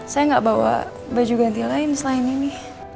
saya nggak bawa baju ganti lain selain ini